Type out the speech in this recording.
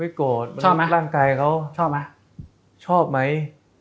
ไม่โกรธร่างกายเขาชอบไหม